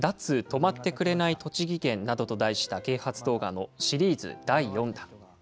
止まってくれない栃木県などと題した啓発動画のシリーズ第４弾。